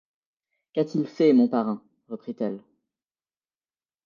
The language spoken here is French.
Qu’a-t-il fait, mon parrain ? reprit-elle.